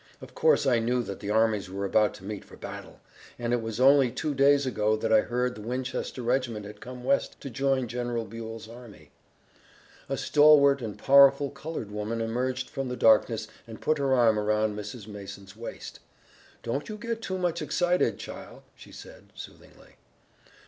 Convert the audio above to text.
Of course I knew that the armies were about to meet for battle! And it was only two days ago that I heard the Winchester regiment had come west to join General Buell's army." A stalwart and powerful colored woman emerged from the darkness and put her arm around Mrs. Mason's waist. "Don't you get too much excited, chile," she said soothingly.